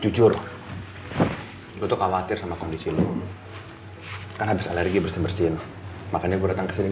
jujur itu khawatir sama kondisi lu kan habis alergi bersih bersihin makanya gue datang ke sini